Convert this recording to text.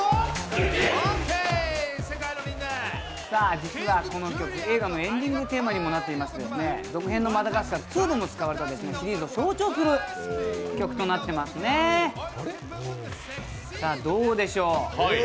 実はこの曲、映画のエンディングテーマにもなってまして続編の「マダガスカル２」でも使われたシリーズを象徴する曲になっているんですがどうでしょう？